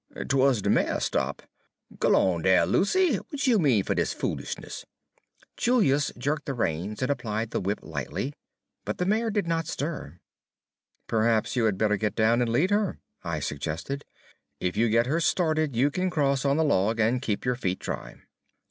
"'T wuz de mare stop'. G' 'long dere, Lucy! Wat you mean by dis foolis'ness?" Julius jerked the reins and applied the whip lightly, but the mare did not stir. "Perhaps you had better get down and lead her," I suggested. "If you get her started, you can cross on the log and keep your feet dry."